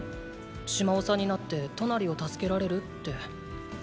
島長になってトナリを助けられるって。